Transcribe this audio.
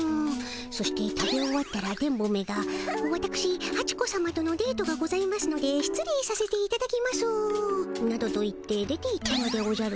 そして食べ終わったら電ボめが「わたくしハチ子さまとのデートがございますので失礼させていただきます」などと言って出ていったのでおじゃる。